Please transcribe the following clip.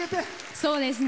そうですね。